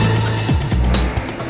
lo sudah bisa berhenti